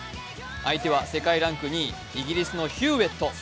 相手は世界ランク２位イギリスのヒューウェット。